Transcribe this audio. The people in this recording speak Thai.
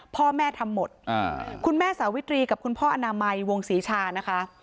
พ่อแม่ทำหมดคุณแม่สาวิตรีกับคุณพ่ออนามัยวงศรีชานะคะ